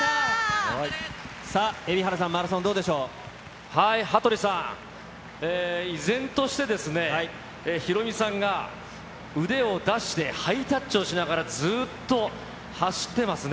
さあ、蛯原さん、マラソン、羽鳥さん、依然として、ヒロミさんが腕を出してハイタッチをしながらずっと走ってますね。